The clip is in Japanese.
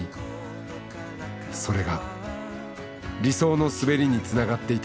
それが理想の滑りにつながっていた。